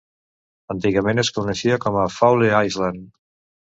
Antigament, es coneixia com a "Fowle Island".